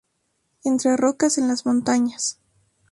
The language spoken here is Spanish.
Entre rocas en las montañas.